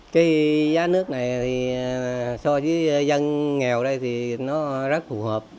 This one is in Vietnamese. cái giá nước này thì so với dân nghèo đây thì nó rất phù hợp